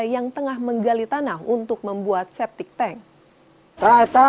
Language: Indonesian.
yang tengah menggali tanah untuk membuat septic tank